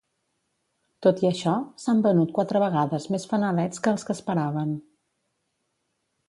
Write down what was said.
Tot i això, s'han venut quatre vegades més fanalets que els que esperaven.